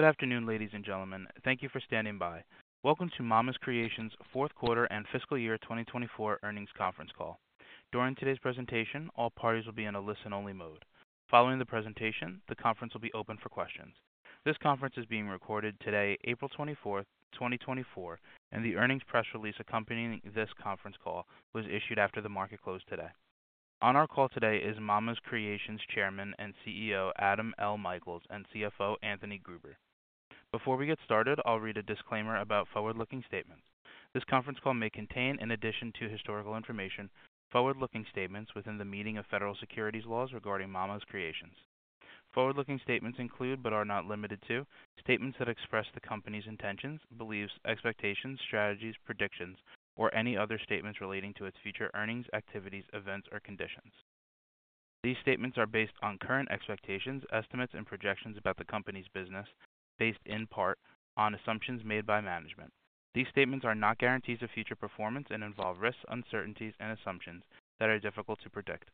Good afternoon, ladies and gentlemen. Thank you for standing by. Welcome to Mama's Creations' fourth quarter and fiscal year 2024 earnings conference call. During today's presentation, all parties will be in a listen-only mode. Following the presentation, the conference will be open for questions. This conference is being recorded today, April 24, 2024, and the earnings press release accompanying this conference call was issued after the market closed today. On our call today is Mama's Creations' Chairman and CEO Adam L. Michaels and CFO Anthony Gruber. Before we get started, I'll read a disclaimer about forward-looking statements. This conference call may contain, in addition to historical information, forward-looking statements within the meaning of federal securities laws regarding Mama's Creations. Forward-looking statements include but are not limited to statements that express the company's intentions, beliefs, expectations, strategies, predictions, or any other statements relating to its future earnings, activities, events, or conditions. These statements are based on current expectations, estimates, and projections about the company's business, based in part on assumptions made by management. These statements are not guarantees of future performance and involve risks, uncertainties, and assumptions that are difficult to predict.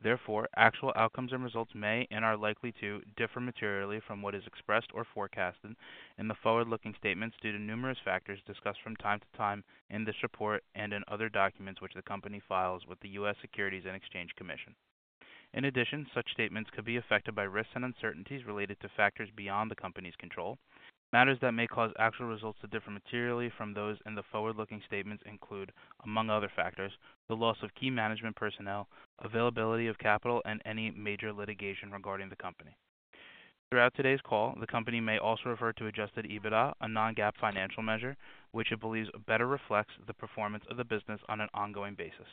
Therefore, actual outcomes and results may and are likely to differ materially from what is expressed or forecast in the forward-looking statements due to numerous factors discussed from time to time in this report and in other documents which the company files with the U.S. Securities and Exchange Commission. In addition, such statements could be affected by risks and uncertainties related to factors beyond the company's control. Matters that may cause actual results to differ materially from those in the forward-looking statements include, among other factors, the loss of key management personnel, availability of capital, and any major litigation regarding the company. Throughout today's call, the company may also refer to Adjusted EBITDA, a non-GAAP financial measure, which it believes better reflects the performance of the business on an ongoing basis.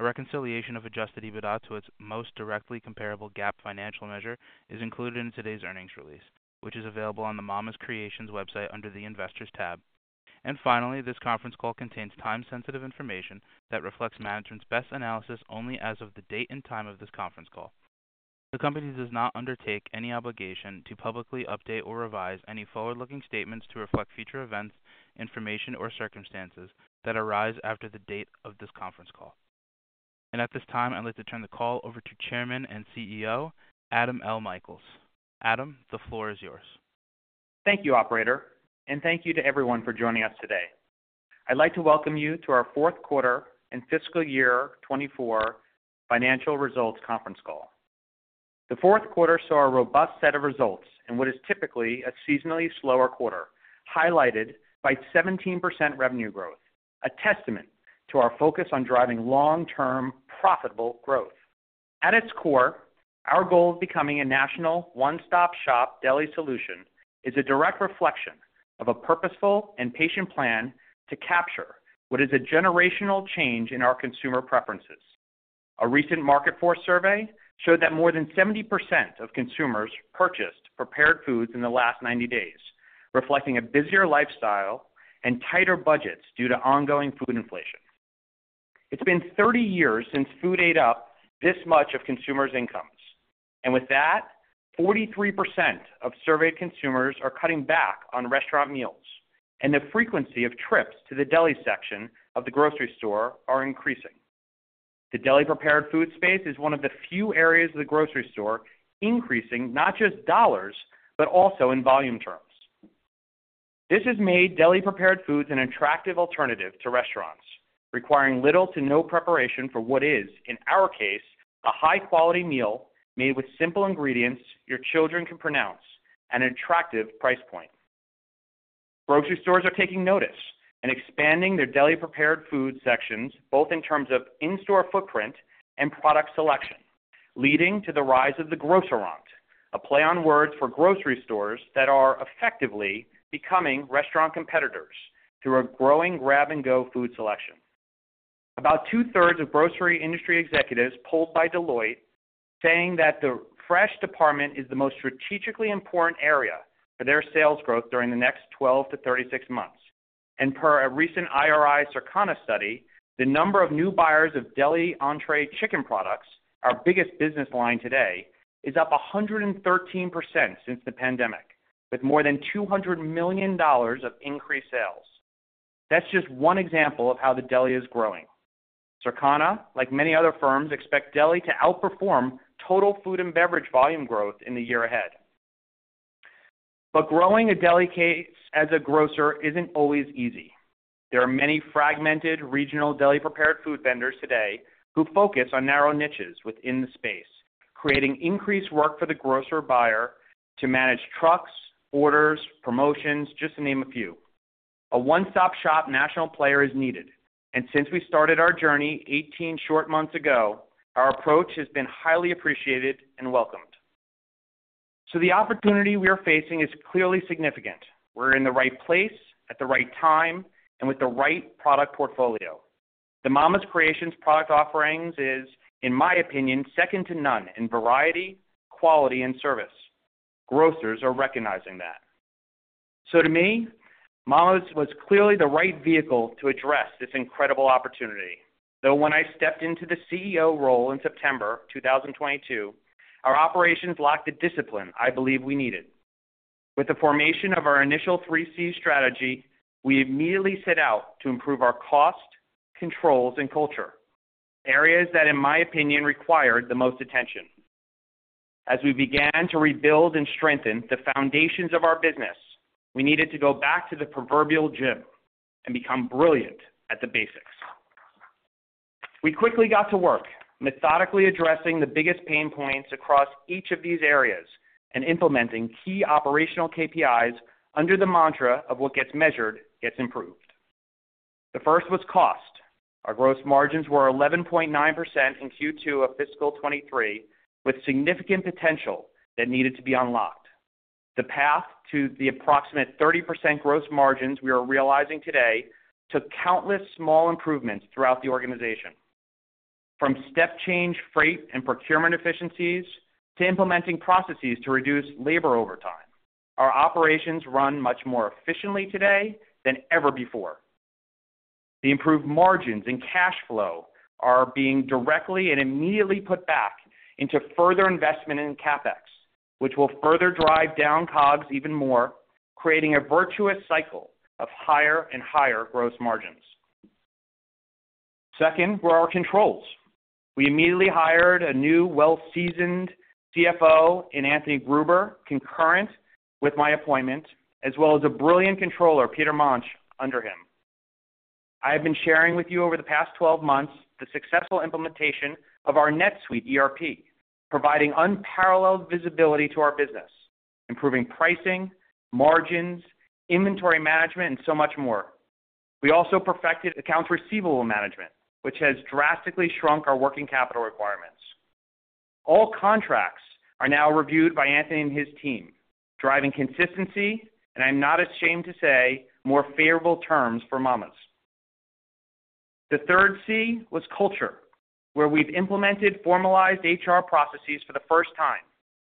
A reconciliation of Adjusted EBITDA to its most directly comparable GAAP financial measure is included in today's earnings release, which is available on the Mama's Creations website under the Investors tab. Finally, this conference call contains time-sensitive information that reflects management's best analysis only as of the date and time of this conference call. The company does not undertake any obligation to publicly update or revise any forward-looking statements to reflect future events, information, or circumstances that arise after the date of this conference call. At this time, I'd like to turn the call over to Chairman and CEO Adam L. Michaels. Adam, the floor is yours. Thank you, operator, and thank you to everyone for joining us today. I'd like to welcome you to our fourth quarter and fiscal year 2024 financial results conference call. The fourth quarter saw a robust set of results in what is typically a seasonally slower quarter, highlighted by 17% revenue growth, a testament to our focus on driving long-term, profitable growth. At its core, our goal of becoming a national one-stop shop deli solution is a direct reflection of a purposeful and patient plan to capture what is a generational change in our consumer preferences. A recent Market Force survey showed that more than 70% of consumers purchased prepared foods in the last 90 days, reflecting a busier lifestyle and tighter budgets due to ongoing food inflation. It's been 30 years since food ate up this much of consumers' incomes, and with that, 43% of surveyed consumers are cutting back on restaurant meals, and the frequency of trips to the deli section of the grocery store are increasing. The deli-prepared food space is one of the few areas of the grocery store increasing not just dollars but also in volume terms. This has made deli-prepared foods an attractive alternative to restaurants, requiring little to no preparation for what is, in our case, a high-quality meal made with simple ingredients your children can pronounce at an attractive price point. Grocery stores are taking notice and expanding their deli-prepared food sections both in terms of in-store footprint and product selection, leading to the rise of the grocerant, a play on words for grocery stores that are effectively becoming restaurant competitors through a growing grab-and-go food selection. About 2/3 of grocery industry executives polled by Deloitte saying that the fresh department is the most strategically important area for their sales growth during the next 12-36 months and per a recent IRI/Circana study, the number of new buyers of deli-entrée chicken products, our biggest business line today, is up 113% since the pandemic, with more than $200 million of increased sales. That's just one example of how the deli is growing. Circana, like many other firms, expect deli to outperform total food and beverage volume growth in the year ahead. But growing a deli case as a grocer isn't always easy. There are many fragmented regional deli-prepared food vendors today who focus on narrow niches within the space, creating increased work for the grocer buyer to manage trucks, orders, promotions, just to name a few. A one-stop shop national player is needed, and since we started our journey 18 short months ago, our approach has been highly appreciated and welcomed. So the opportunity we are facing is clearly significant. We're in the right place, at the right time, and with the right product portfolio. The Mama's Creations' product offerings is, in my opinion, second to none in variety, quality, and service. Grocers are recognizing that. So to me, Mama's was clearly the right vehicle to address this incredible opportunity. Though when I stepped into the CEO role in September 2022, our operations lacked the discipline I believe we needed. With the formation of our initial three-C strategy, we immediately set out to improve our cost, controls, and culture, areas that, in my opinion, required the most attention. As we began to rebuild and strengthen the foundations of our business, we needed to go back to the proverbial gym and become brilliant at the basics. We quickly got to work methodically addressing the biggest pain points across each of these areas and implementing key operational KPIs under the mantra of what gets measured gets improved. The first was cost. Our gross margins were 11.9% in Q2 of fiscal 2023, with significant potential that needed to be unlocked. The path to the approximate 30% gross margins we are realizing today took countless small improvements throughout the organization. From step-change freight and procurement efficiencies to implementing processes to reduce labor overtime, our operations run much more efficiently today than ever before. The improved margins and cash flow are being directly and immediately put back into further investment in CapEx, which will further drive down COGS even more, creating a virtuous cycle of higher and higher gross margins. Second were our controls. We immediately hired a new, well-seasoned CFO in Anthony Gruber, concurrent with my appointment, as well as a brilliant controller, Peter Manchie, under him. I have been sharing with you over the past 12 months the successful implementation of our NetSuite ERP, providing unparalleled visibility to our business, improving pricing, margins, inventory management, and so much more. We also perfected accounts receivable management, which has drastically shrunk our working capital requirements. All contracts are now reviewed by Anthony and his team, driving consistency and, I'm not ashamed to say, more favorable terms for Mama's. The third C was culture, where we've implemented formalized HR processes for the first time,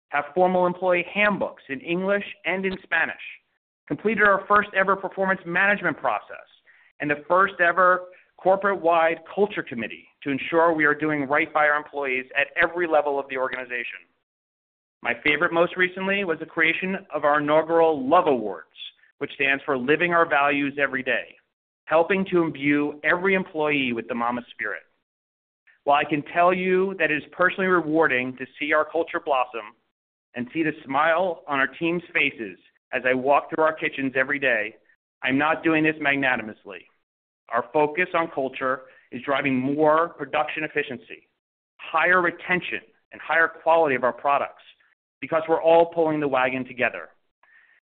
have formal employee handbooks in English and in Spanish, completed our first-ever performance management process, and the first-ever corporate-wide culture committee to ensure we are doing right by our employees at every level of the organization. My favorite most recently was the creation of our inaugural Love Awards, which stands for Living Our Values Every Day, helping to imbue every employee with the Mama spirit. While I can tell you that it is personally rewarding to see our culture blossom and see the smile on our team's faces as I walk through our kitchens every day, I'm not doing this magnanimously. Our focus on culture is driving more production efficiency, higher retention, and higher quality of our products because we're all pulling the wagon together.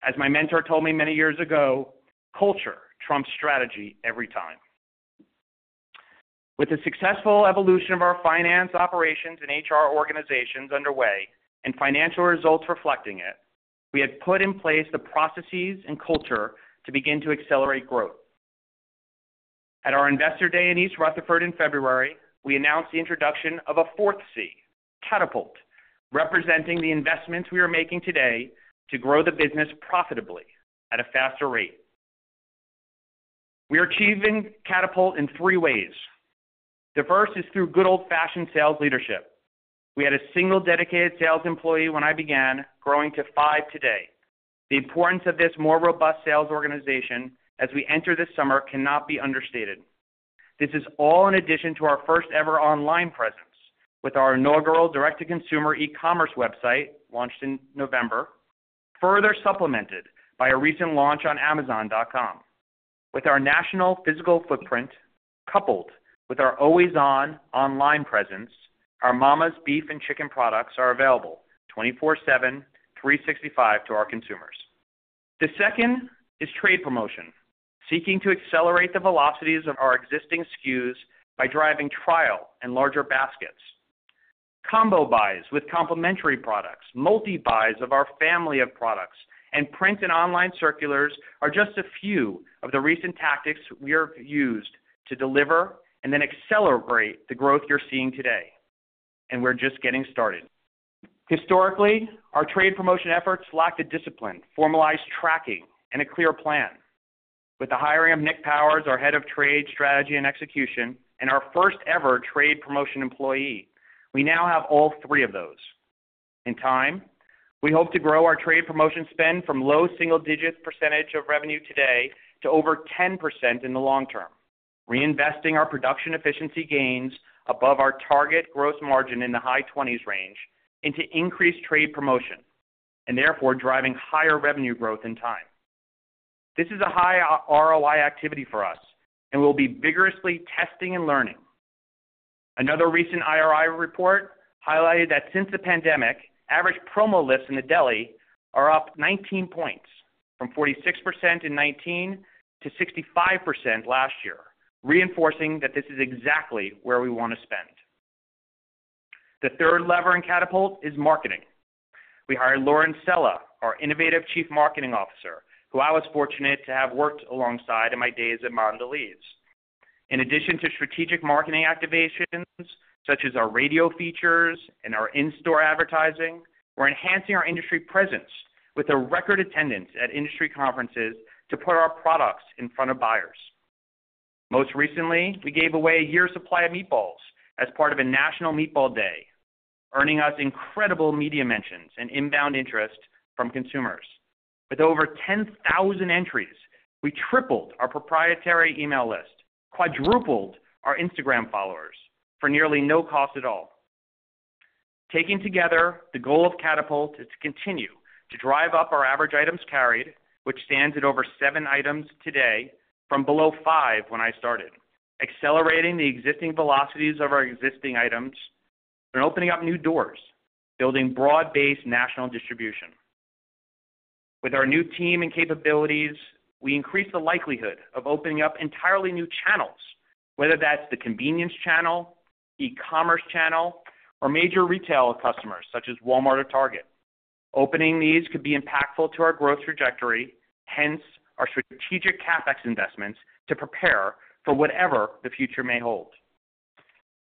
As my mentor told me many years ago, "Culture trumps strategy every time." With the successful evolution of our finance, operations, and HR organizations underway and financial results reflecting it, we had put in place the processes and culture to begin to accelerate growth. At our investor day in East Rutherford in February, we announced the introduction of a fourth C, Catapult, representing the investments we are making today to grow the business profitably at a faster rate. We are achieving Catapult in three ways. The first is through good old-fashioned sales leadership. We had a single dedicated sales employee when I began, growing to five today. The importance of this more robust sales organization as we enter this summer cannot be understated. This is all in addition to our first-ever online presence with our inaugural direct-to-consumer e-commerce website launched in November, further supplemented by a recent launch on Amazon.com. With our national physical footprint coupled with our always-on online presence, our Mama's beef and chicken products are available 24/7, 365 to our consumers. The second is trade promotion, seeking to accelerate the velocities of our existing SKUs by driving trial and larger baskets. Combo buys with complementary products, multi-buys of our family of products, and print and online circulars are just a few of the recent tactics we have used to deliver and then accelerate the growth you're seeing today, and we're just getting started. Historically, our trade promotion efforts lacked a disciplined, formalized tracking, and a clear plan. With the hiring of Nick Powers, our head of trade, strategy, and execution, and our first-ever trade promotion employee, we now have all three of those. In time, we hope to grow our trade promotion spend from low single-digit percentage of revenue today to over 10% in the long term, reinvesting our production efficiency gains above our target gross margin in the high 20s range into increased trade promotion and therefore driving higher revenue growth in time. This is a high ROI activity for us, and we'll be vigorously testing and learning. Another recent IRI report highlighted that since the pandemic, average promo lifts in the deli are up 19 points, from 46% in 2019 to 65% last year, reinforcing that this is exactly where we want to spend. The third lever in Catapult is marketing. We hired Lauren Sella, our innovative Chief Marketing Officer, who I was fortunate to have worked alongside in my days at Mondelēz. In addition to strategic marketing activations such as our radio features and our in-store advertising, we're enhancing our industry presence with a record attendance at industry conferences to put our products in front of buyers. Most recently, we gave away a year's supply of meatballs as part of a National Meatball Day, earning us incredible media mentions and inbound interest from consumers. With over 10,000 entries, we tripled our proprietary email list, quadrupled our Instagram followers for nearly no cost at all. Taking together, the goal of Catapult is to continue to drive up our average items carried, which stands at over seven items today, from below five when I started, accelerating the existing velocities of our existing items, and opening up new doors, building broad-based national distribution. With our new team and capabilities, we increase the likelihood of opening up entirely new channels, whether that's the convenience channel, e-commerce channel, or major retail customers such as Walmart or Target. Opening these could be impactful to our growth trajectory, hence our strategic CapEx investments to prepare for whatever the future may hold.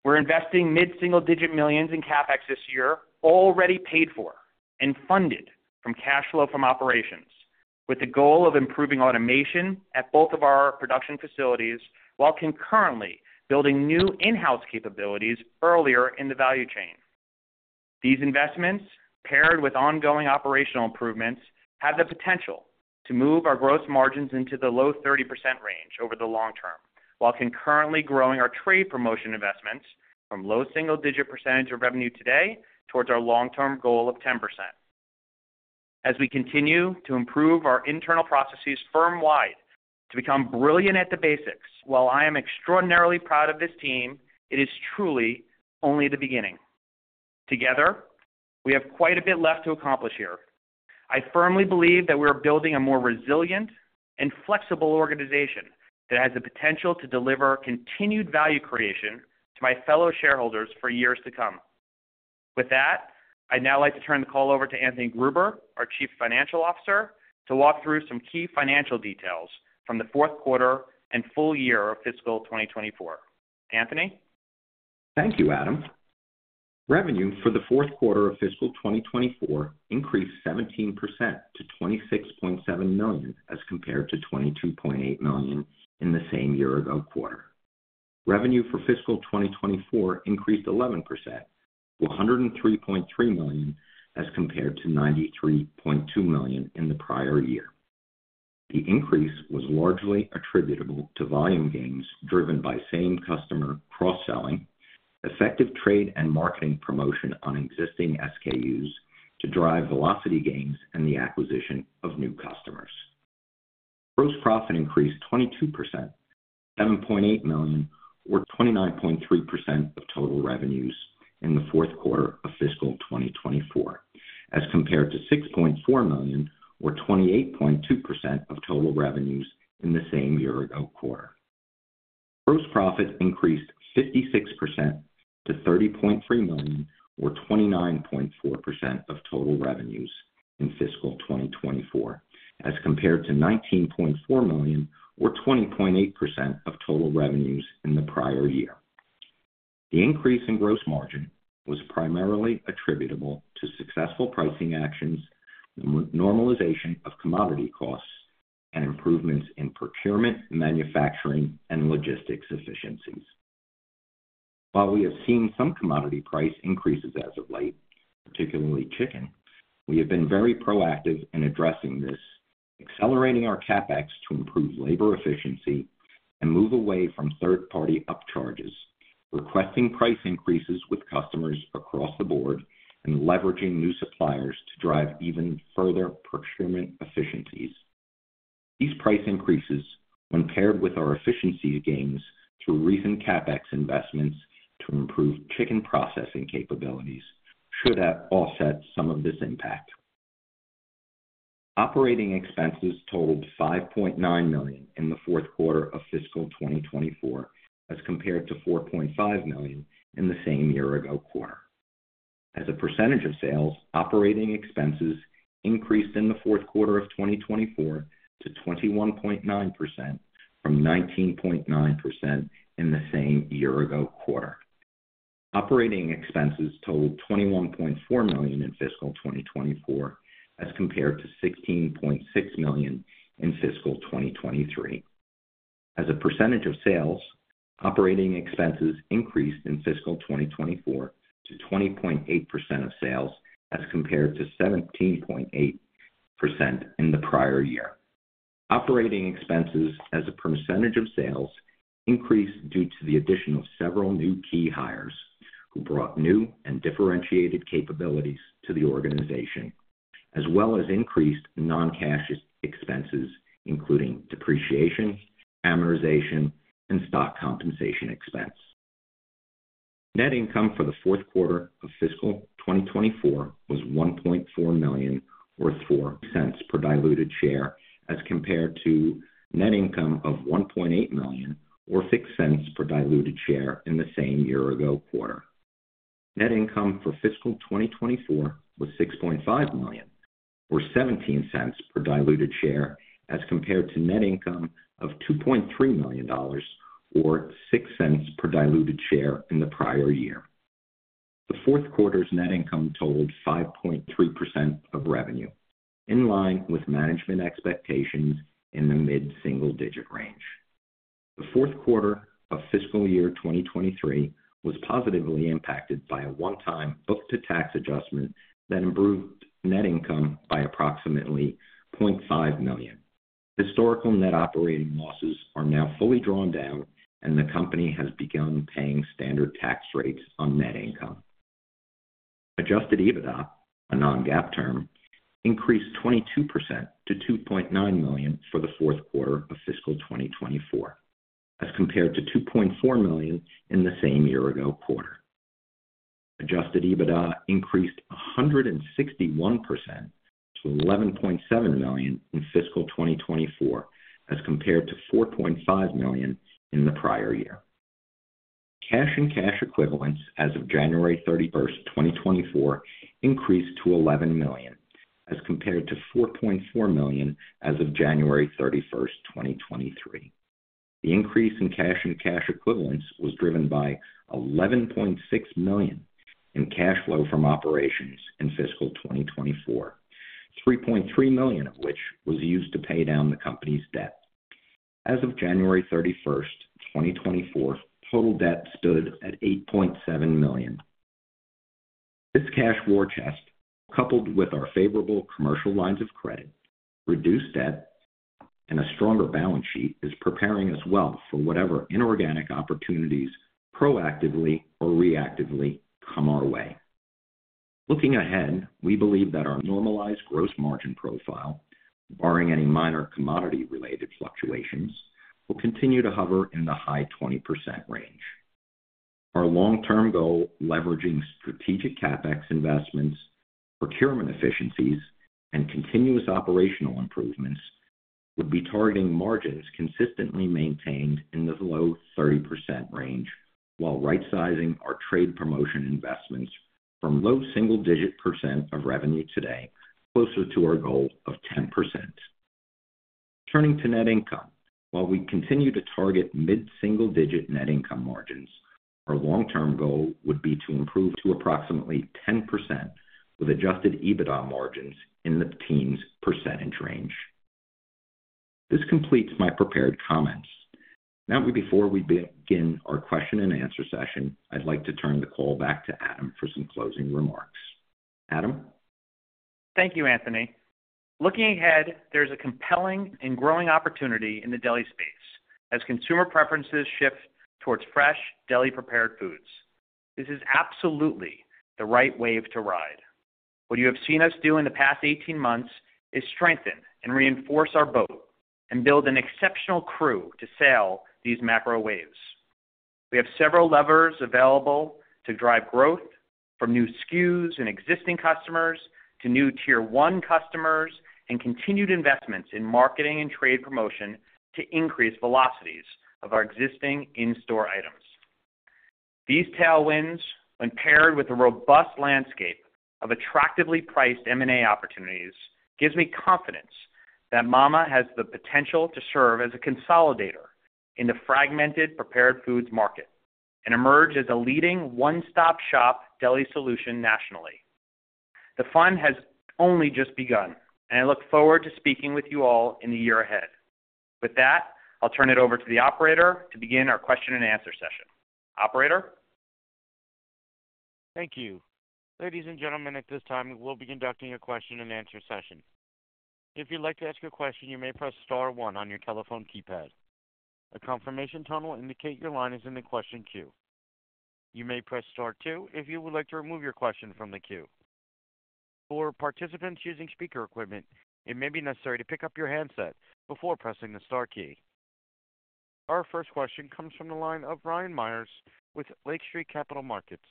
We're investing mid-single-digit millions in CapEx this year, already paid for and funded from cash flow from operations, with the goal of improving automation at both of our production facilities while concurrently building new in-house capabilities earlier in the value chain. These investments, paired with ongoing operational improvements, have the potential to move our gross margins into the low 30% range over the long term while concurrently growing our trade promotion investments from low single-digit percentage of revenue today towards our long-term goal of 10%. As we continue to improve our internal processes firm-wide to become brilliant at the basics. While I am extraordinarily proud of this team, it is truly only the beginning. Together, we have quite a bit left to accomplish here. I firmly believe that we are building a more resilient and flexible organization that has the potential to deliver continued value creation to my fellow shareholders for years to come. With that, I'd now like to turn the call over to Anthony Gruber, our Chief Financial Officer, to walk through some key financial details from the fourth quarter and full year of fiscal 2024. Anthony? Thank you, Adam. Revenue for the fourth quarter of fiscal 2024 increased 17% to $26.7 million as compared to $22.8 million in the same year-ago quarter. Revenue for fiscal 2024 increased 11% to $103.3 million as compared to $93.2 million in the prior year. The increase was largely attributable to volume gains driven by same-customer cross-selling, effective trade and marketing promotion on existing SKUs to drive velocity gains and the acquisition of new customers. Gross profit increased 22% to $7.8 million or 29.3% of total revenues in the fourth quarter of fiscal 2024 as compared to $6.4 million or 28.2% of total revenues in the same year-ago quarter. Gross profit increased 56% to $30.3 million or 29.4% of total revenues in fiscal 2024 as compared to $19.4 million or 20.8% of total revenues in the prior year. The increase in gross margin was primarily attributable to successful pricing actions, normalization of commodity costs, and improvements in procurement, manufacturing, and logistics efficiencies. While we have seen some commodity price increases as of late, particularly chicken, we have been very proactive in addressing this, accelerating our CapEx to improve labor efficiency and move away from third-party upcharges, requesting price increases with customers across the board, and leveraging new suppliers to drive even further procurement efficiencies. These price increases, when paired with our efficiency gains through recent CapEx investments to improve chicken processing capabilities, should offset some of this impact. Operating expenses totaled $5.9 million in the fourth quarter of fiscal 2024 as compared to $4.5 million in the same year-ago quarter. As a percentage of sales, operating expenses increased in the fourth quarter of 2024 to 21.9% from 19.9% in the same year-ago quarter. Operating expenses totaled $21.4 million in fiscal 2024 as compared to $16.6 million in fiscal 2023. As a percentage of sales, operating expenses increased in fiscal 2024 to 20.8% of sales as compared to 17.8% in the prior year. Operating expenses, as a percentage of sales, increased due to the addition of several new key hires who brought new and differentiated capabilities to the organization, as well as increased non-cash expenses, including depreciation, amortization, and stock compensation expense. Net income for the fourth quarter of fiscal 2024 was $1.4 million or $0.04 per diluted share as compared to net income of $1.8 million or $0.06 per diluted share in the same year-ago quarter. Net income for fiscal 2024 was $6.5 million or $0.17 per diluted share as compared to net income of $2.3 million or $0.06 per diluted share in the prior year. The fourth quarter's net income totaled 5.3% of revenue, in line with management expectations in the mid-single-digit range. The fourth quarter of fiscal year 2023 was positively impacted by a one-time book-to-tax adjustment that improved net income by approximately $0.5 million. Historical net operating losses are now fully drawn down, and the company has begun paying standard tax rates on net income. Adjusted EBITDA, a non-GAAP term, increased 22% to $2.9 million for the fourth quarter of fiscal 2024 as compared to $2.4 million in the same year-ago quarter. Adjusted EBITDA increased 161% to $11.7 million in fiscal 2024 as compared to $4.5 million in the prior year. Cash and cash equivalents as of January 31st, 2024, increased to $11 million as compared to $4.4 million as of January 31st, 2023. The increase in cash and cash equivalents was driven by $11.6 million in cash flow from operations in fiscal 2024, $3.3 million of which was used to pay down the company's debt. As of January 31st, 2024, total debt stood at $8.7 million. This cash war chest, coupled with our favorable commercial lines of credit, reduced debt, and a stronger balance sheet, is preparing as well for whatever inorganic opportunities proactively or reactively come our way. Looking ahead, we believe that our normalized gross margin profile, barring any minor commodity-related fluctuations, will continue to hover in the high 20% range. Our long-term goal, leveraging strategic CapEx investments, procurement efficiencies, and continuous operational improvements, would be targeting margins consistently maintained in the low 30% range while right-sizing our trade promotion investments from low single-digit percent of revenue today closer to our goal of 10%. Turning to net income, while we continue to target mid-single-digit net income margins, our long-term goal would be to improve to approximately 10% with Adjusted EBITDA margins in the teens percentage range. This completes my prepared comments. Now, before we begin our question-and-answer session, I'd like to turn the call back to Adam for some closing remarks. Adam? Thank you, Anthony. Looking ahead, there's a compelling and growing opportunity in the deli space as consumer preferences shift towards fresh, deli-prepared foods. This is absolutely the right wave to ride. What you have seen us do in the past 18 months is strengthen and reinforce our boat and build an exceptional crew to sail these macro waves. We have several levers available to drive growth, from new SKUs and existing customers to new tier-one customers and continued investments in marketing and trade promotion to increase velocities of our existing in-store items. These tailwinds, when paired with a robust landscape of attractively priced M&A opportunities, give me confidence that Mama has the potential to serve as a consolidator in the fragmented prepared foods market and emerge as a leading one-stop shop deli solution nationally. The fun has only just begun, and I look forward to speaking with you all in the year ahead. With that, I'll turn it over to the operator to begin our question-and-answer session. Operator? Thank you. Ladies and gentlemen, at this time, we will be conducting a question-and-answer session. If you'd like to ask a question, you may press star one on your telephone keypad. A confirmation tone will indicate your line is in the question queue. You may press star two if you would like to remove your question from the queue. For participants using speaker equipment, it may be necessary to pick up your handset before pressing the star key. Our first question comes from the line of Ryan Meyers with Lake Street Capital Markets.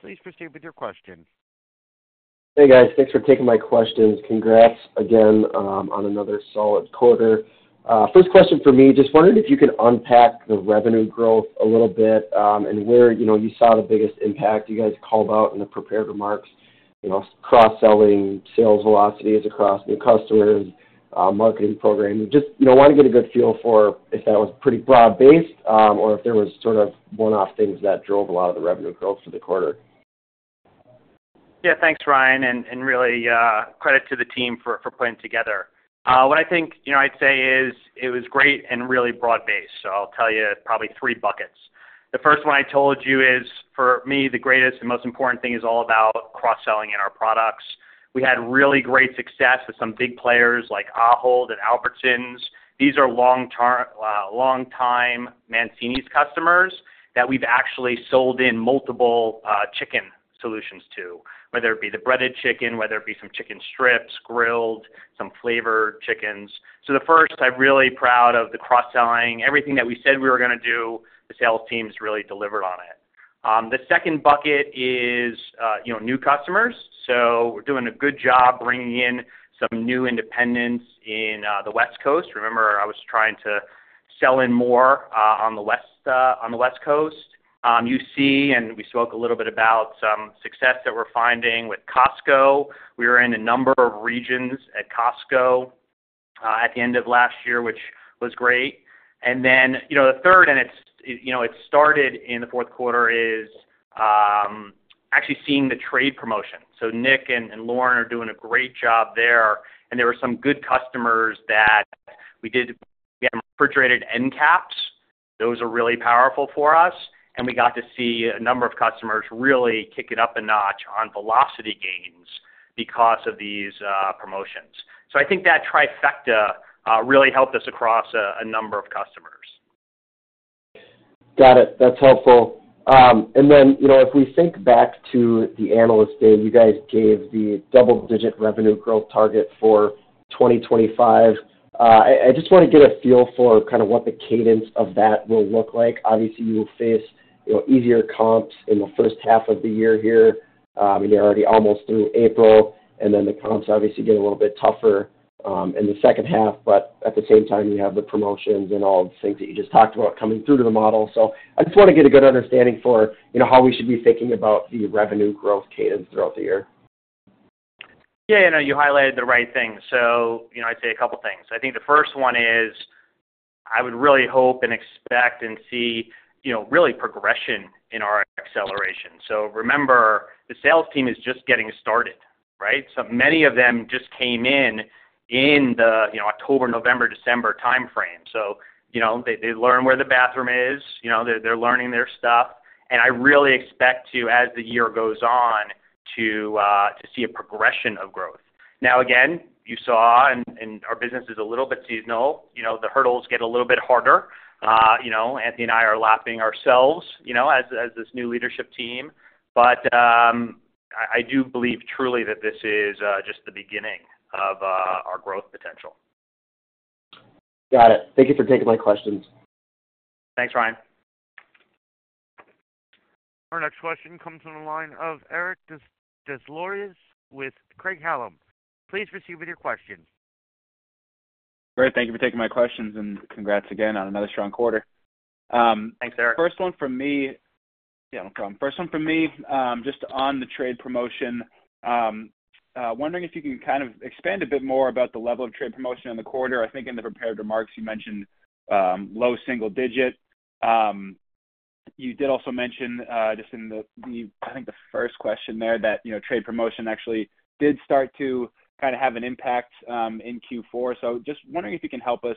Please proceed with your question. Hey, guys. Thanks for taking my questions. Congrats again on another solid quarter. First question for me, just wondering if you can unpack the revenue growth a little bit and where you saw the biggest impact. You guys called out in the prepared remarks cross-selling, sales velocities across new customers, marketing program. Just want to get a good feel for if that was pretty broad-based or if there was sort of one-off things that drove a lot of the revenue growth for the quarter. Yeah, thanks, Ryan and really, credit to the team for putting it together. What I think I'd say is it was great and really broad-based. So I'll tell you probably three buckets. The first one I told you is, for me, the greatest and most important thing is all about cross-selling in our products. We had really great success with some big players like Ahold and Albertsons. These are long-time Mancini's customers that we've actually sold in multiple chicken solutions to, whether it be the breaded chicken, whether it be some chicken strips, grilled, some flavored chickens. So the first, I'm really proud of the cross-selling. Everything that we said we were going to do, the sales team's really delivered on it. The second bucket is new customers. So we're doing a good job bringing in some new independents in the West Coast. Remember, I was trying to sell in more on the West Coast. You see, and we spoke a little bit about some success that we're finding with Costco. We were in a number of regions at Costco at the end of last year, which was great. Then the third, and it started in the fourth quarter, is actually seeing the trade promotion. So Nick and Lauren are doing a great job there and there were some good customers that we had refrigerated end caps. Those are really powerful for us and we got to see a number of customers really kick it up a notch on velocity gains because of these promotions. So I think that trifecta really helped us across a number of customers. Got it. That's helpful. Then if we think back to the Analyst Day, you guys gave the double-digit revenue growth target for 2025. I just want to get a feel for kind of what the cadence of that will look like. Obviously, you will face easier comps in the first half of the year here. I mean, you're already almost through April. Then the comps, obviously, get a little bit tougher in the second half. But at the same time, you have the promotions and all the things that you just talked about coming through to the model. So I just want to get a good understanding for how we should be thinking about the revenue growth cadence throughout the year. Yeah, yeah, no. You highlighted the right things. So I'd say a couple of things. I think the first one is I would really hope and expect and see really progression in our acceleration. So remember, the sales team is just getting started, right? So many of them just came in the October, November, December timeframe. So they learn where the bathroom is. They're learning their stuff and I really expect to, as the year goes on, to see a progression of growth. Now, again, you saw, and our business is a little bit seasonal, the hurdles get a little bit harder. Anthony and I are lapping ourselves as this new leadership team. But I do believe truly that this is just the beginning of our growth potential. Got it. Thank you for taking my questions. Thanks, Ryan. Our next question comes on the line of Eric Des Lauriers with Craig-Hallum. Please proceed with your questions. Great. Thank you for taking my questions. Congrats again on another strong quarter. Thanks, Eric. First one from me. Yeah, no problem. First one from me just on the trade promotion. Wondering if you can kind of expand a bit more about the level of trade promotion in the quarter. I think in the prepared remarks, you mentioned low single digit. You did also mention, just in the, I think, the first question there, that trade promotion actually did start to kind of have an impact in Q4. So just wondering if you can help us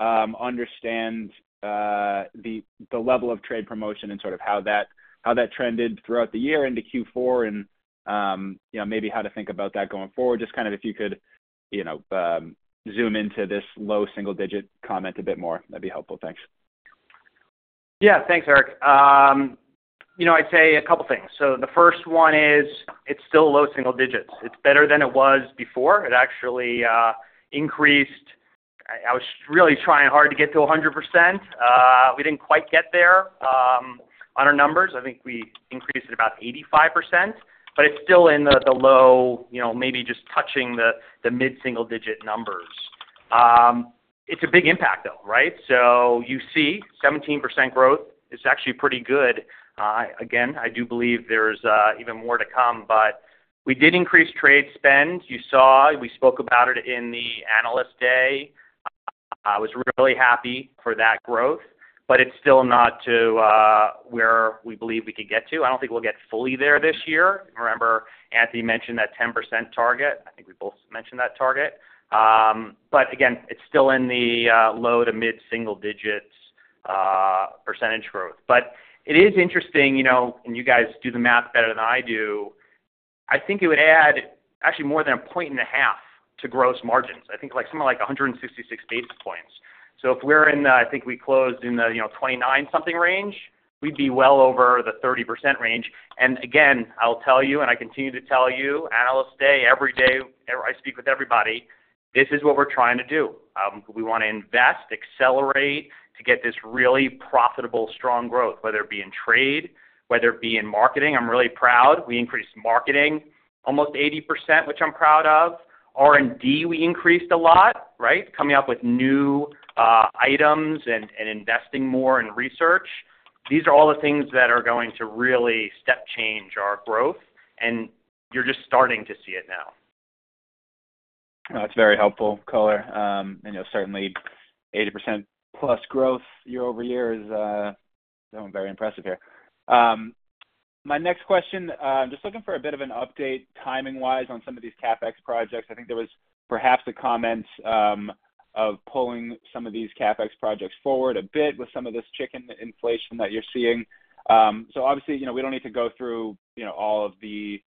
understand the level of trade promotion and sort of how that trended throughout the year into Q4 and maybe how to think about that going forward. Just kind of if you could zoom into this low single digit comment a bit more. That'd be helpful. Thanks. Yeah, thanks, Eric. I'd say a couple of things. So the first one is it's still low single digits. It's better than it was before. It actually increased. I was really trying hard to get to 100%. We didn't quite get there on our numbers. I think we increased it about 85% but it's still in the low, maybe just touching the mid-single digit numbers. It's a big impact, though, right? So UC, 17% growth. It's actually pretty good. Again, I do believe there's even more to come. But we did increase trade spend. You saw. We spoke about it in the Analyst Day. I was really happy for that growth. But it's still not to where we believe we could get to. I don't think we'll get fully there this year. Remember, Anthony mentioned that 10% target. I think we both mentioned that target. But again, it's still in the low- to mid-single-digits % growth. But it is interesting, and you guys do the math better than I do. I think it would add actually more than 1.5 points to gross margins. I think somewhere like 166 basis points. So if we're in the—I think we closed in the 29%-something range we'd be well over the 30% range. Again, I'll tell you, and I continue to tell you, analyst day, every day I speak with everybody, this is what we're trying to do. We want to invest, accelerate to get this really profitable, strong growth, whether it be in trade, whether it be in marketing. I'm really proud. We increased marketing almost 80%, which I'm proud of. R&D, we increased a lot, right, coming up with new items and investing more in research. These are all the things that are going to really step change our growth. You're just starting to see it now. That's very helpful, caller. Certainly, 80%+ growth year-over-year is sounding very impressive here. My next question, just looking for a bit of an update timing-wise on some of these CapEx projects. I think there was perhaps a comment of pulling some of these CapEx projects forward a bit with some of this chicken inflation that you're seeing. So obviously, we don't need to go through all of the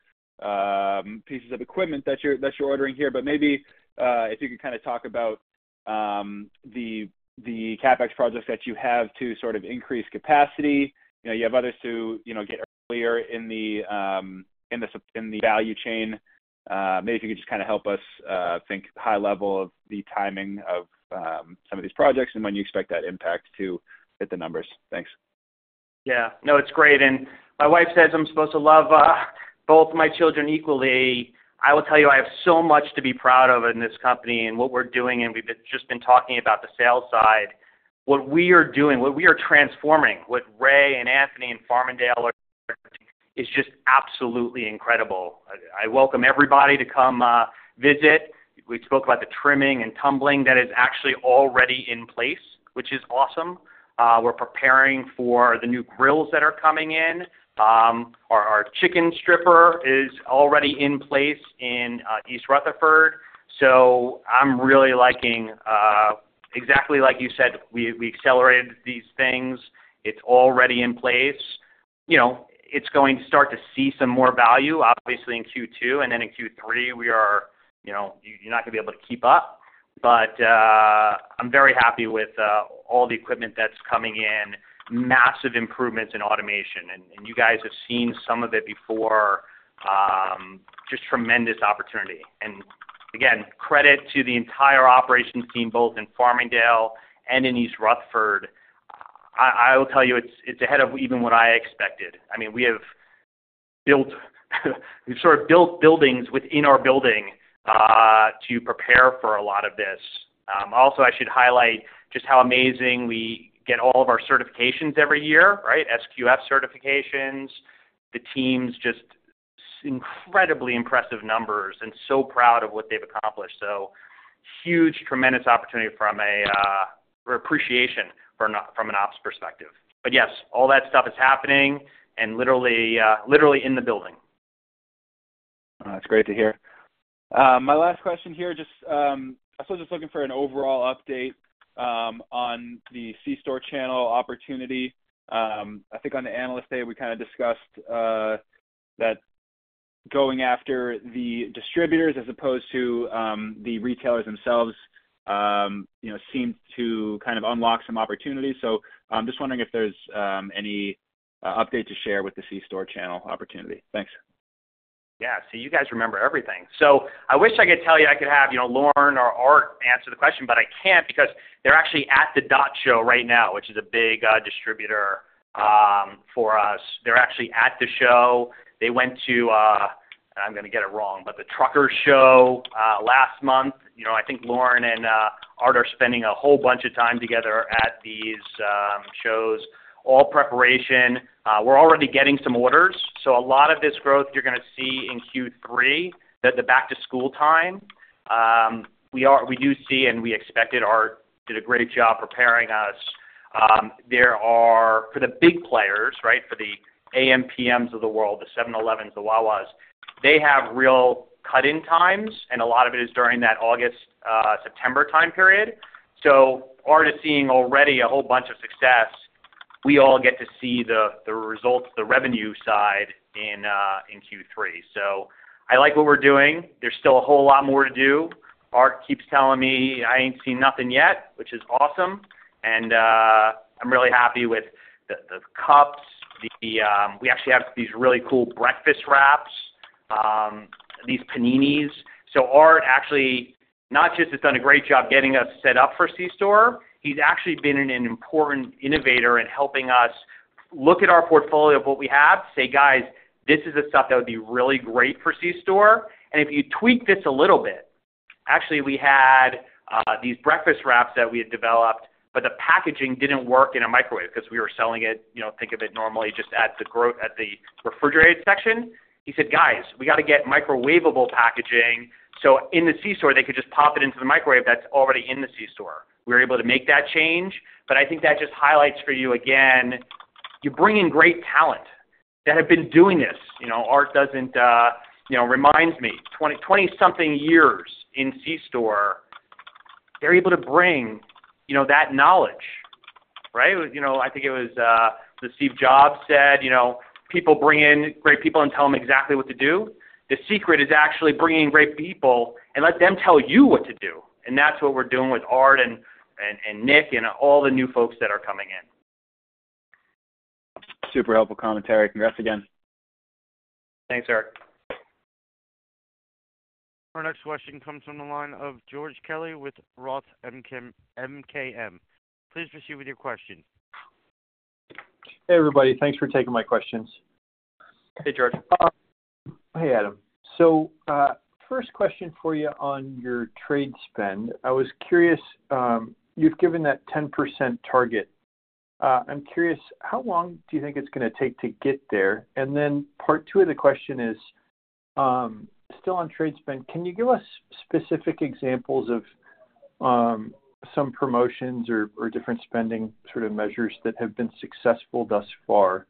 pieces of equipment that you're ordering here, but maybe if you could kind of talk about the CapEx projects that you have to sort of increase capacity. You have others to get earlier in the value chain. Maybe if you could just kind of help us think high-level of the timing of some of these projects and when you expect that impact to hit the numbers. Thanks. Yeah. No, it's great. My wife says I'm supposed to love both my children equally. I will tell you, I have so much to be proud of in this company and what we're doing. We've just been talking about the sales side. What we are doing, what we are transforming, what Ray and Anthony and Farmingdale are doing is just absolutely incredible. I welcome everybody to come visit. We spoke about the trimming and tumbling that is actually already in place, which is awesome. We're preparing for the new grills that are coming in. Our chicken stripper is already in place in East Rutherford. So I'm really liking exactly like you said, we accelerated these things. It's already in place. It's going to start to see some more value, obviously, in Q2. Then in Q3, you're not going to be able to keep up. But I'm very happy with all the equipment that's coming in, massive improvements in automation and you guys have seen some of it before. Just tremendous opportunity. Again, credit to the entire operations team, both in Farmingdale and in East Rutherford. I will tell you, it's ahead of even what I expected. I mean, we've sort of built buildings within our building to prepare for a lot of this. Also, I should highlight just how amazing we get all of our certifications every year, right, SQF certifications. The team's just incredibly impressive numbers and so proud of what they've accomplished. So huge, tremendous opportunity from an ops perspective. But yes, all that stuff is happening and literally in the building. That's great to hear. My last question here, I was just looking for an overall update on the C-Store channel opportunity. I think on the analyst day, we kind of discussed that going after the distributors as opposed to the retailers themselves seemed to kind of unlock some opportunities. So I'm just wondering if there's any update to share with the C-Store channel opportunity. Thanks. Yeah. See, you guys remember everything. So I wish I could tell you I could have Lauren or Art answer the question. But I can't because they're actually at the Dot Show right now, which is a big distributor for us. They're actually at the show. They went to - and I'm going to get it wrong - but the Truckers Show last month. I think Lauren and Art are spending a whole bunch of time together at these shows, all preparation. We're already getting some orders. So a lot of this growth, you're going to see in Q3, the back-to-school time. We do see and we expected. Art did a great job preparing us. For the big players, right, for the AM/PMs of the world, the 7-Elevens, the Wawas, they have real cut-in times. And a lot of it is during that August/September time period. Art is seeing already a whole bunch of success. We all get to see the results, the revenue side in Q3. I like what we're doing. There's still a whole lot more to do. Art keeps telling me, "I ain't seen nothing yet," which is awesome. I'm really happy with the cups. We actually have these really cool breakfast wraps, these paninis. Art actually not just has done a great job getting us set up for C-Store, he's actually been an important innovator in helping us look at our portfolio of what we have, say, "Guys, this is the stuff that would be really great for C-Store. If you tweak this a little bit, actually, we had these breakfast wraps that we had developed, but the packaging didn't work in a microwave because we were selling it, think of it normally, just at the refrigerated section. He said, "Guys, we got to get microwavable packaging so in the C-Store, they could just pop it into the microwave that's already in the C-Store." We were able to make that change. But I think that just highlights for you, again, you're bringing great talent that have been doing this. Art doesn't reminds me, 20-something years in C-Store, they're able to bring that knowledge, right? I think it was the Steve Jobs said, "People bring in great people and tell them exactly what to do." The secret is actually bringing in great people and let them tell you what to do. That's what we're doing with Art and Nick and all the new folks that are coming in. Super helpful commentary. Congrats again. Thanks, Eric. Our next question comes on the line of George Kelly with Roth MKM. Please proceed with your question. Hey, everybody. Thanks for taking my questions. Hey, George. Hey, Adam. So first question for you on your trade spend. I was curious. You've given that 10% target. I'm curious, how long do you think it's going to take to get there? Then part two of the question is still on trade spend. Can you give us specific examples of some promotions or different spending sort of measures that have been successful thus far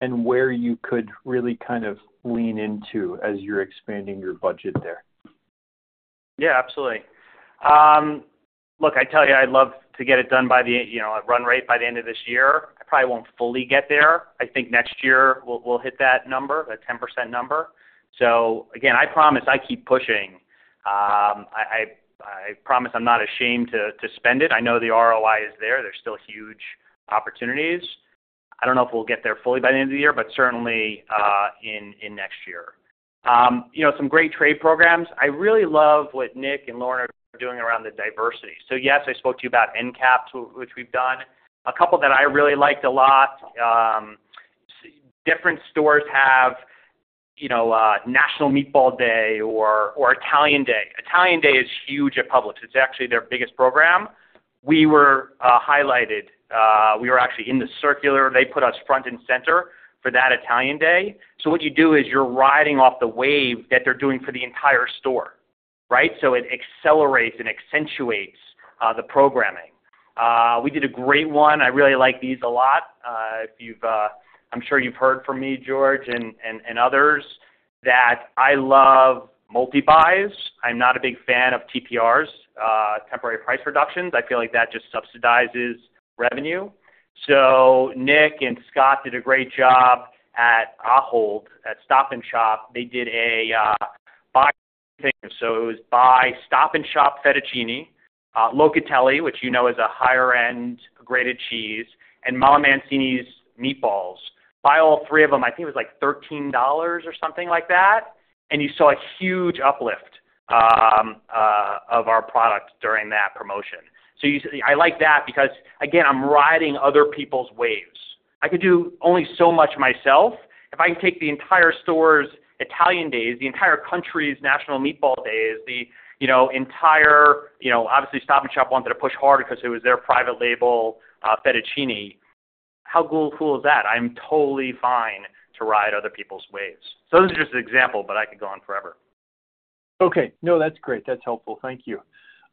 and where you could really kind of lean into as you're expanding your budget there? Yeah, absolutely. Look, I tell you, I'd love to get it done by the run rate by the end of this year. I probably won't fully get there. I think next year, we'll hit that number, that 10% number. So again, I promise I keep pushing. I promise I'm not ashamed to spend it. I know the ROI is there. There's still huge opportunities. I don't know if we'll get there fully by the end of the year, but certainly in next year. Some great trade programs. I really love what Nick and Lauren are doing around the diversity. So yes, I spoke to you about end caps, which we've done. A couple that I really liked a lot. Different stores have National Meatball Day or Italian Day. Italian Day is huge at Publix. It's actually their biggest program. We were highlighted. We were actually in the circular. They put us front and center for that Italian Day. So what you do is you're riding off the wave that they're doing for the entire store, right? So it accelerates and accentuates the programming. We did a great one. I really like these a lot. I'm sure you've heard from me, George, and others that I love multibuys. I'm not a big fan of TPRs, temporary price reductions. I feel like that just subsidizes revenue. So Nick and Scott did a great job at Ahold, at Stop & Shop. They did a buy thing. So it was buy Stop & Shop fettuccine, Locatelli, which you know is a higher-end graded cheese, and MamaMancini's meatballs. Buy all three of them. I think it was like $13 or something like that and you saw a huge uplift of our product during that promotion. So I like that because, again, I'm riding other people's waves. I could do only so much myself. If I could take the entire store's Italian Days, the entire country's National Meatball Days, the entire obviously, Stop & Shop wanted to push hard because it was their private label fettuccine. How cool is that? I'm totally fine to ride other people's waves. So those are just examples, but I could go on forever. Okay. No, that's great. That's helpful. Thank you.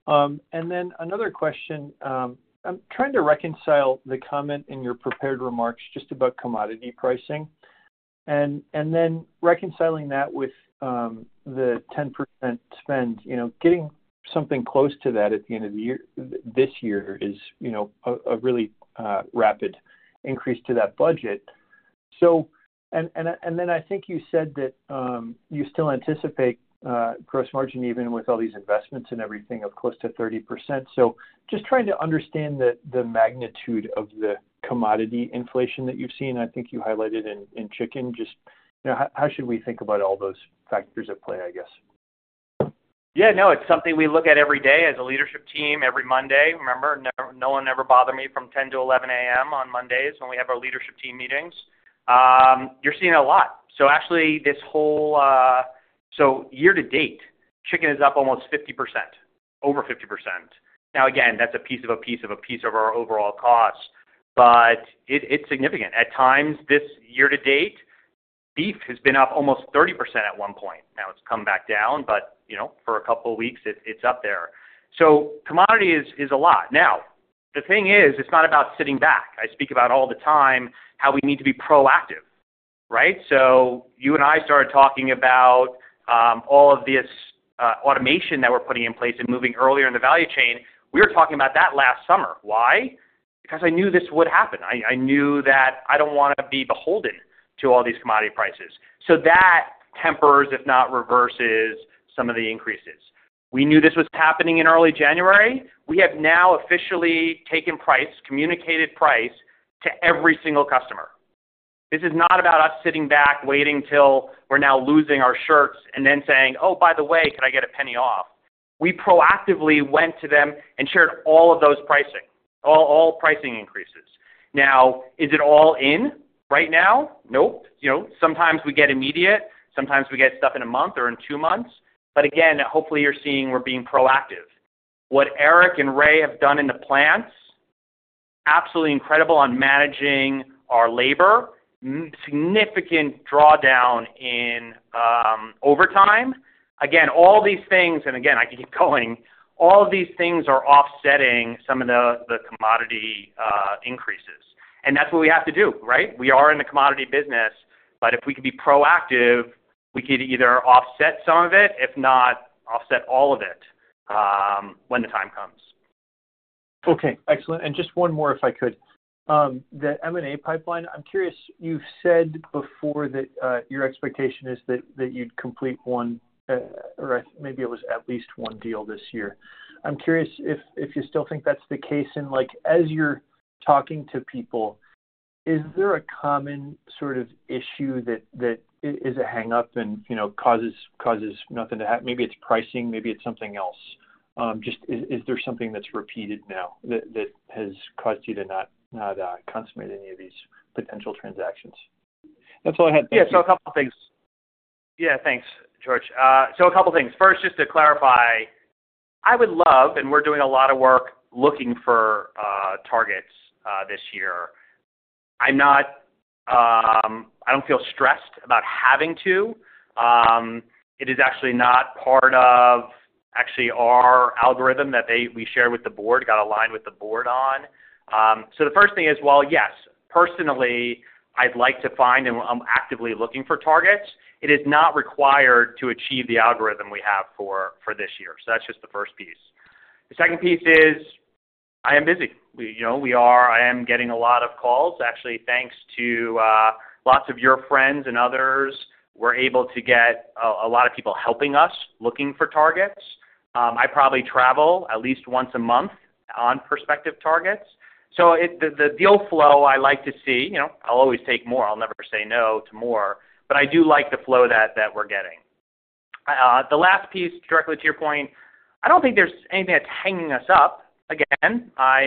Then another question. I'm trying to reconcile the comment in your prepared remarks just about commodity pricing and then reconciling that with the 10% spend. Getting something close to that at the end of the year this year is a really rapid increase to that budget. Then I think you said that you still anticipate gross margin, even with all these investments and everything, of close to 30%. So just trying to understand the magnitude of the commodity inflation that you've seen. I think you highlighted in chicken. Just how should we think about all those factors at play, I guess? Yeah. No, it's something we look at every day as a leadership team every Monday. Remember, no one ever bothered me from 10:00 A.M.-11:00 A.M. on Mondays when we have our leadership team meetings. You're seeing a lot. So actually, this whole so year-to-date, chicken is up almost 50%, over 50%. Now again, that's a piece of a piece of a piece of our overall cost but it's significant. At times, this year-to-date, beef has been up almost 30% at one point. Now it's come back down but for a couple of weeks, it's up there. So commodity is a lot. Now, the thing is, it's not about sitting back. I speak about all the time how we need to be proactive, right? So you and I started talking about all of this automation that we're putting in place and moving earlier in the value chain. We were talking about that last summer. Why? Because I knew this would happen. I knew that I don't want to be beholden to all these commodity prices. So that tempers, if not reverses, some of the increases. We knew this was happening in early January. We have now officially taken price, communicated price to every single customer. This is not about us sitting back waiting till we're now losing our shirts and then saying, "Oh, by the way, could I get a penny off?" We proactively went to them and shared all of those pricing, all pricing increases. Now, is it all in right now? Nope. Sometimes we get immediate. Sometimes we get stuff in a month or in two months. But again, hopefully, you're seeing we're being proactive. What Eric and Ray have done in the plants, absolutely incredible on managing our labor, significant drawdown in overtime. Again, all these things and again, I could keep going. All of these things are offsetting some of the commodity increases and that's what we have to do, right? We are in the commodity business. But if we could be proactive, we could either offset some of it, if not offset all of it, when the time comes. Okay. Excellent. Just one more, if I could, the M&A pipeline. I'm curious. You've said before that your expectation is that you'd complete one or maybe it was at least one deal this year. I'm curious if you still think that's the case. As you're talking to people, is there a common sort of issue that is a hang-up and causes nothing to happen? Maybe it's pricing. Maybe it's something else. Just is there something that's repeated now that has caused you to not consummate any of these potential transactions? That's all I had. Thank you. Yeah. So a couple of things. Yeah. Thanks, George. So a couple of things. First, just to clarify, I would love and we're doing a lot of work looking for targets this year. I don't feel stressed about having to. It is actually not part of actually our algorithm that we shared with the board, got aligned with the board on. So the first thing is, well, yes, personally, I'd like to find and I'm actively looking for targets. It is not required to achieve the algorithm we have for this year. So that's just the first piece. The second piece is I am busy. I am getting a lot of calls. Actually, thanks to lots of your friends and others, we're able to get a lot of people helping us looking for targets. I probably travel at least once a month on prospective targets. So the deal flow, I like to see. I'll always take more. I'll never say no to more. But I do like the flow that we're getting. The last piece, directly to your point, I don't think there's anything that's hanging us up. Again, I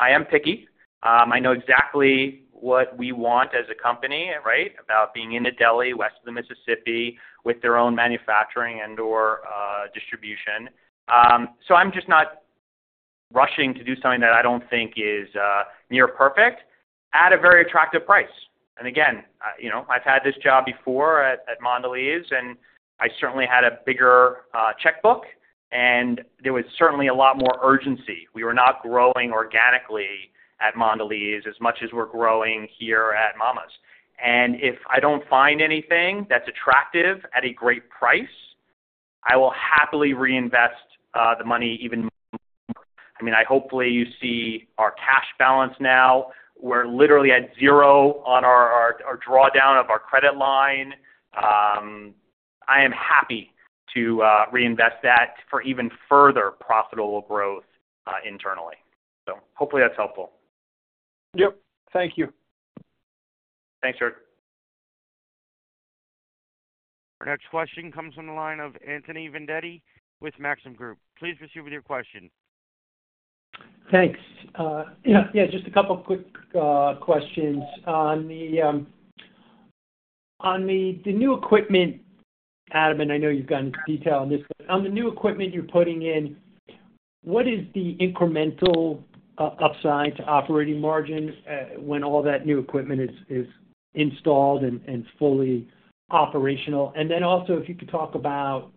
am picky. I know exactly what we want as a company, right, about being in the deli, west of the Mississippi with their own manufacturing and/or distribution. So I'm just not rushing to do something that I don't think is near perfect at a very attractive price. Again, I've had this job before at Mondelēz. And I certainly had a bigger checkbook and there was certainly a lot more urgency. We were not growing organically at Mondelēz as much as we're growing here at Mama's. If I don't find anything that's attractive at a great price, I will happily reinvest the money even more. I mean, hopefully, you see our cash balance now. We're literally at zero on our drawdown of our credit line. I am happy to reinvest that for even further profitable growth internally. Hopefully, that's helpful. Yep. Thank you. Thanks, George. Our next question comes on the line of Anthony Vendetti with Maxim Group. Please proceed with your question. Thanks. Yeah. Yeah. Just a couple of quick questions. On the new equipment, Adam, and I know you've gotten detail on this, but on the new equipment you're putting in, what is the incremental upside to operating margin when all that new equipment is installed and fully operational? Then also, if you could talk about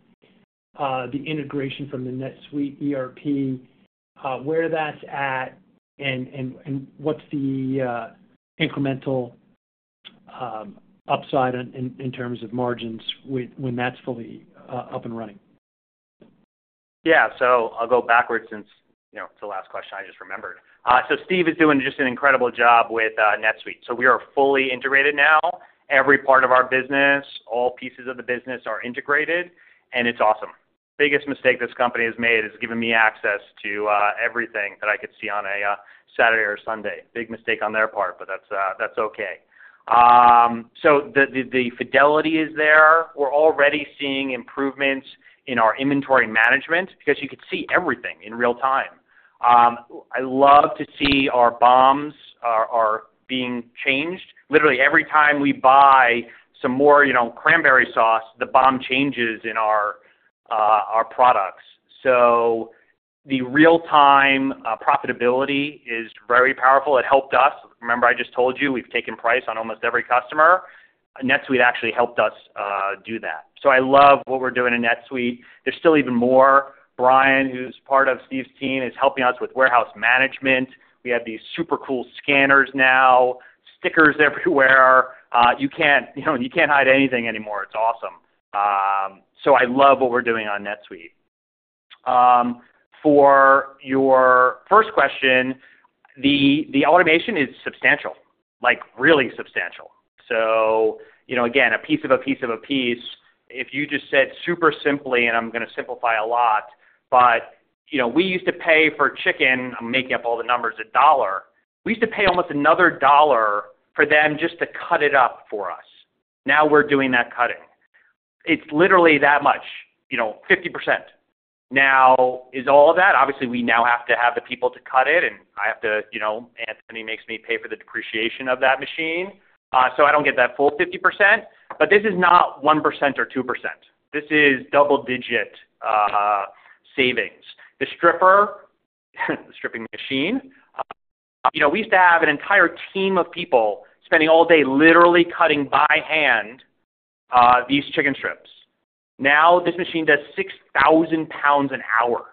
the integration from the NetSuite ERP, where that's at, and what's the incremental upside in terms of margins when that's fully up and running? Yeah. So I'll go backwards since it's the last question I just remembered. So Steve is doing just an incredible job with NetSuite. So we are fully integrated now. Every part of our business, all pieces of the business are integrated and it's awesome. Biggest mistake this company has made is giving me access to everything that I could see on a Saturday or Sunday. Big mistake on their part, but that's okay. So the fidelity is there. We're already seeing improvements in our inventory management because you could see everything in real time. I love to see our BOMs being changed. Literally, every time we buy some more cranberry sauce, the BOM changes in our products. So the real-time profitability is very powerful. It helped us. Remember, I just told you we've taken price on almost every customer. NetSuite actually helped us do that. So I love what we're doing in NetSuite. There's still even more. Brian, who's part of Steve's team, is helping us with warehouse management. We have these super cool scanners now, stickers everywhere. You can't hide anything anymore. It's awesome. So I love what we're doing on NetSuite. For your first question, the automation is substantial, really substantial. So again, a piece of a piece of a piece. If you just said super simply, and I'm going to simplify a lot, but we used to pay for chicken - I'm making up all the numbers a dollar. We used to pay almost another dollar for them just to cut it up for us. Now we're doing that cutting. It's literally that much, 50%. Now, is all of that obviously, we now have to have the people to cut it. Anthony makes me pay for the depreciation of that machine. So I don't get that full 50% but this is not 1% or 2%. This is double-digit savings. The stripper, the stripping machine, we used to have an entire team of people spending all day literally cutting by hand these chicken strips. Now this machine does 6,000lbs an hour.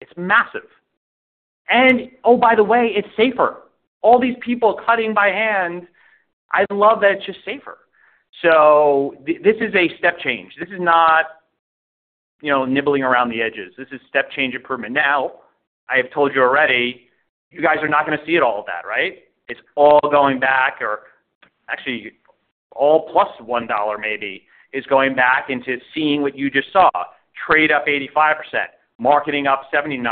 It's massive, and oh, by the way, it's safer. All these people cutting by hand, I love that it's just safer. So this is a step change. This is not nibbling around the edges. This is step change improvement. Now, I have told you already, you guys are not going to see it all of that, right? It's all going back or actually, all +$1 maybe is going back into seeing what you just saw, trade up 85%, marketing up 79%.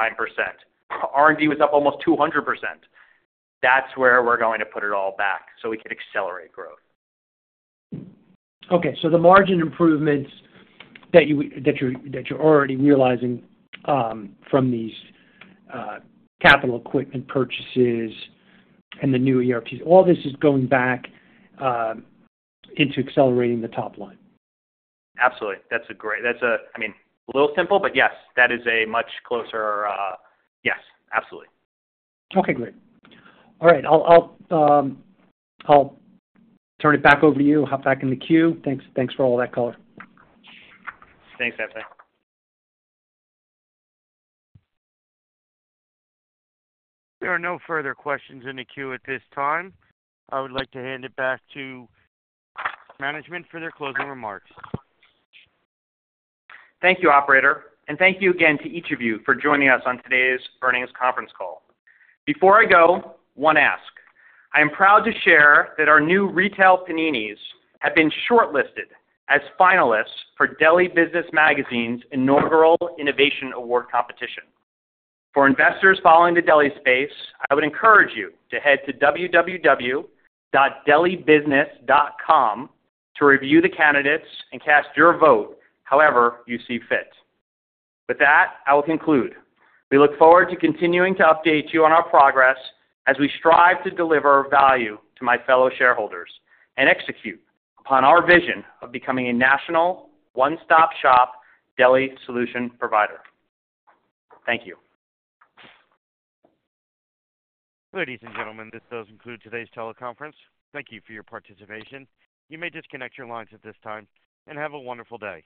R&D was up almost 200%. That's where we're going to put it all back so we can accelerate growth. Okay. So the margin improvements that you're already realizing from these capital equipment purchases and the new ERPs, all this is going back into accelerating the top line. Absolutely. That's a great, I mean, a little simple, but yes, that is a much closer yes. Absolutely. Okay. Great. All right. I'll turn it back over to you. Hop back in the queue. Thanks for all that color. Thanks, Anthony. There are no further questions in the queue at this time. I would like to hand it back to management for their closing remarks. Thank you, operator and thank you again to each of you for joining us on today's earnings conference call. Before I go, one ask. I am proud to share that our new retail paninis have been shortlisted as finalists for Deli Business Magazine's inaugural Innovation Award competition. For investors following the deli space, I would encourage you to head to www.delibusiness.com to review the candidates and cast your vote however you see fit. With that, I will conclude. We look forward to continuing to update you on our progress as we strive to deliver value to my fellow shareholders and execute upon our vision of becoming a national one-stop shop deli solution provider. Thank you. Ladies and gentlemen, this does include today's teleconference. Thank you for your participation. You may disconnect your lines at this time and have a wonderful day.